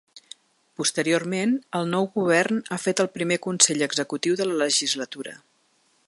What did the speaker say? Posteriorment, el nou govern ha fet el primer consell executiu de la legislatura.